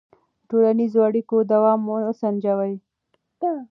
د ټولنیزو اړیکو دوام وسنجوه.